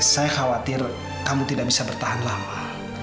saya khawatir kamu tidak bisa bertahan lama